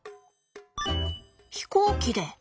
飛行機で。